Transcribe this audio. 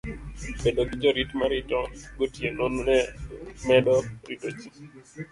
Bedo gi jorit ma rito ji gotieno ne medo rito ji.